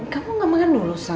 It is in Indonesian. kamu nggak makan dulu sa